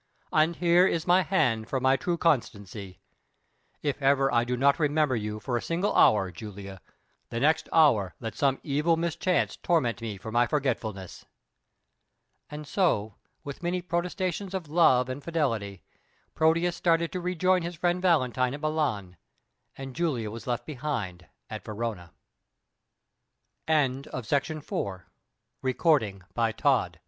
And here is my hand for my true constancy. If ever I do not remember you for a single hour, Julia, the next hour let some evil mischance torment me for my forgetfulness." And so, with many protestations of love and fidelity, Proteus started to rejoin his friend Valentine at Milan, and Julia was left behin